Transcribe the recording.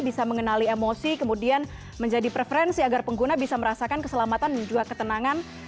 bisa mengenali emosi kemudian menjadi preferensi agar pengguna bisa merasakan keselamatan dan juga ketenangan